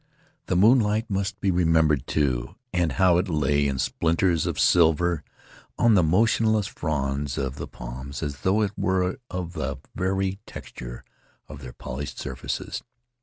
The moonlight must be remembered, too, and how it lay in splinters of silver on the motion less fronds of the palms as though it were of the very texture of their polished surfaces.